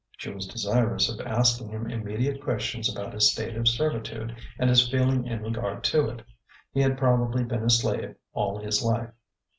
She was desirous of asking immediate questions about his state of servitude and his feeling in regard to it. He had probably been a slave all his life.